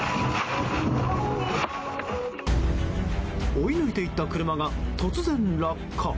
追い抜いて行った車が突然落下。